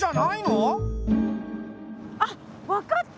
あっ分かった！